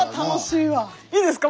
いいですか？